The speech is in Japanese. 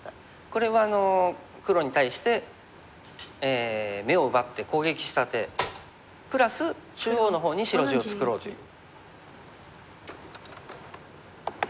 これは黒に対して眼を奪って攻撃した手プラス中央の方に白地を作ろうという。